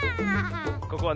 ここはね